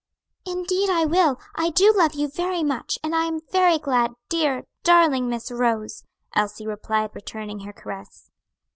"Indeed I will; I do love you very much, and I am very glad, dear, darling Miss Rose," Elsie replied, returning her caress.